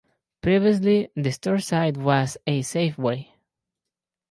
Previously, the store site was a Safeway.